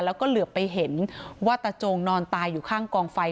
แล้วก็เหลือไปเห็นว่าตาจงนอนตายอยู่ข้างกองไฟ